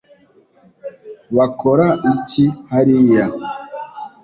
bakora iki hariya